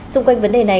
xung quanh vấn đề này